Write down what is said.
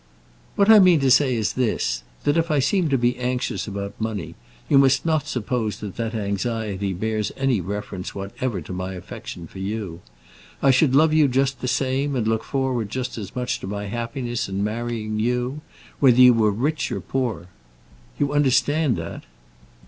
"What I mean to say is this, that if I seem to be anxious about money, you must not suppose that that anxiety bears any reference whatever to my affection for you. I should love you just the same, and look forward just as much to my happiness in marrying you, whether you were rich or poor. You understand that?"